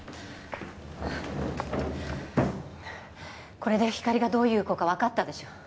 これでひかりがどういう子かわかったでしょ？